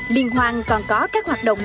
liên hoan còn có các hoạt động